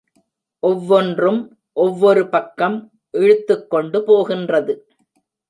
ஒவ்வொன்றும் ஒவ்வொரு பக்கம் இழுத்துக் கொண்டு போகின்றது.